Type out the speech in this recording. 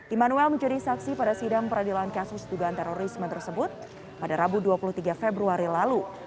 immanuel menjadi saksi pada sidang peradilan kasus dugaan terorisme tersebut pada rabu dua puluh tiga februari lalu